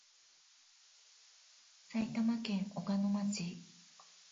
埼玉県小鹿野町